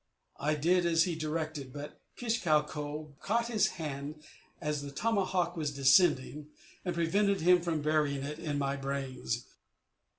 I did as he directed, but Kish kau ko caught his hand as the tomahawk was descending, and prevented him from burying it in my brains.